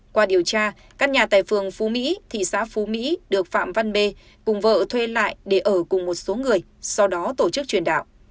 qua điều tra căn nhà tại phường phú mỹ thị xã phú mỹ được phạm văn bê cùng vợ thuê lại để ở cùng một số người sau đó tổ chức truyền đạo